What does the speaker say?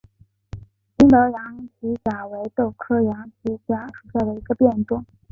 英德羊蹄甲为豆科羊蹄甲属下的一个变种。